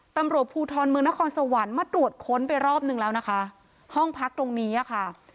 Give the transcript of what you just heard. ตำรวจภูทรเมืองนครสวรรค์มาตรวจค้นไปรอบนึงแล้วนะคะห้องพักตรงนี้อ่ะค่ะ